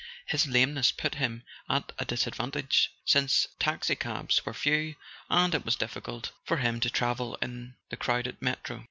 His lameness put him at a disadvantage, since taxi¬ cabs were few, and it was difficult for him to travel in the crowded metro.